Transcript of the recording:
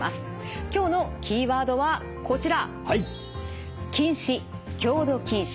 今日のキーワードはこちら。